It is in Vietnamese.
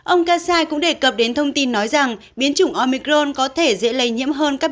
ông kasai cũng đề cập đến thông tin nói rằng biến chủng omicron có thể dễ lây nhiễm hơn các